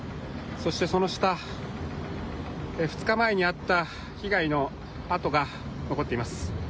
そしてその下、２日前にあった被害の跡が残っています。